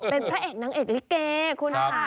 เป็นพระเอกนางเอกลิเกคุณค่ะ